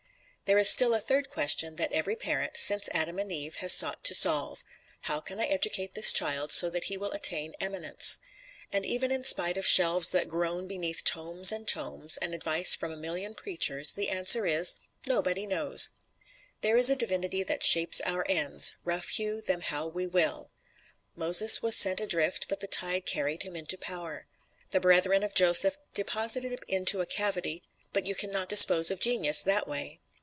There is still a third question that every parent, since Adam and Eve, has sought to solve: "How can I educate this child so that he will attain eminence?" And even in spite of shelves that groan beneath tomes and tomes, and advice from a million preachers, the answer is: Nobody knows. "There is a divinity that shapes our ends, Rough hew them how we will." Moses was sent adrift, but the tide carried him into power. The brethren of Joseph "deposited him into a cavity," but you can not dispose of genius that way!